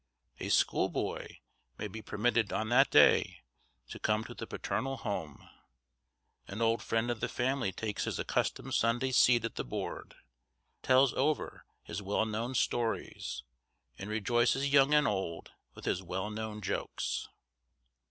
A school boy may be permitted on that day to come to the paternal home; an old friend of the family takes his accustomed Sunday seat at the board, tells over his well known stories, and rejoices young and old with his well known jokes.